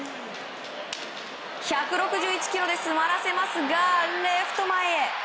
１６１キロで詰まらせますがレフト前へ。